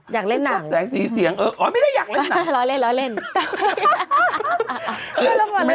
ชอบแสงสีเสียงอ๋อไม่ได้อยากเล่นหนัง